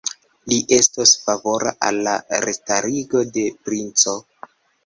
Li estos favora al la restarigo de princo.